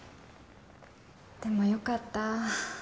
でも良かった。